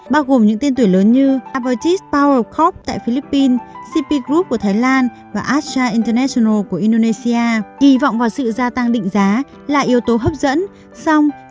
bao gồm những tiên tuổi lớn như apertis power corp tại philippines cp group của thái lan và asha industries